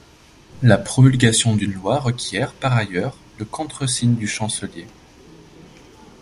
La promulgation d'une loi requiert, par ailleurs, le contreseing du chancelier.